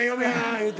言うて。